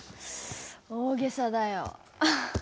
大げさだよ。